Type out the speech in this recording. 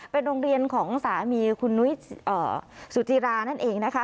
เป็นโรงเรียนของสามีคุณนุ้ยสุจิรานั่นเองนะคะ